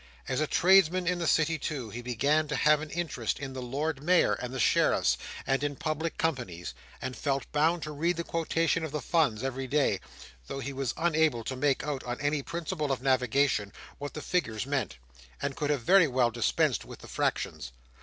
As a tradesman in the City, too, he began to have an interest in the Lord Mayor, and the Sheriffs, and in Public Companies; and felt bound to read the quotations of the Funds every day, though he was unable to make out, on any principle of navigation, what the figures meant, and could have very well dispensed with the fractions.